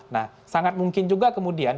nah sangat mungkin juga kemudian